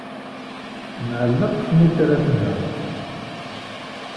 Nɛelleq snitrat-nneɣ.